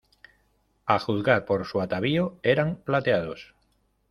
a juzgar por su atavío, eran plateados.